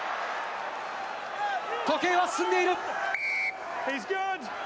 時計は進んでいる。